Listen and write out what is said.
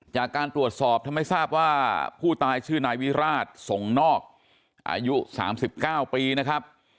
จากการตรวจสอบทำให้ทราบว่าผู้ตายชื่อนายวิราชส่งนอกอายุ๓๙ปีนะครับ